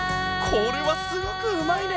これはすごくうまいね！